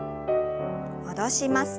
戻します。